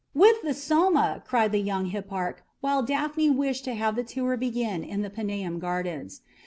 "With the Soma!" cried the young hipparch, while Daphne wished to have the tour begin in the Paneum gardens.